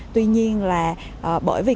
tuy nhiên là bởi vì